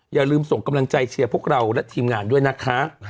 อย่าลืมส่งกำลังใจเชียร์พวกเราและทีมงานด้วยนะคะ